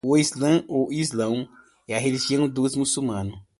O islã ou islão é a religião dos muçulmanos